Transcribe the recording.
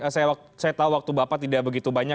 saya tahu waktu bapak tidak begitu banyak